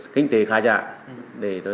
kinh tế khá trịnh